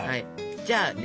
じゃあね